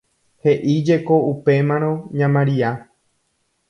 he'íjeko upémarõ ña Maria